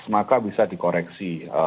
maka bisa dikoreksi